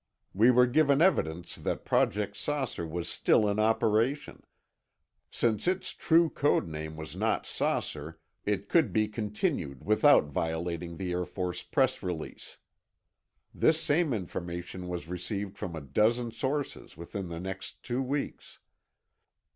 We were given evidence that Project "Saucer" was still in operation; since its true code name was not "Saucer," it could be continued without violating the Air Force press release. This same information was received from a dozen sources within the next two weeks.